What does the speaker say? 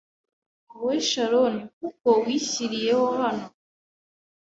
Wowe Charon kuko wishyiriyeho hano